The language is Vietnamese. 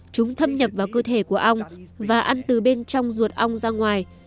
chúng thâm nhập vào cơ thể của ong và ăn từ bên trong ruột ong ra ngoài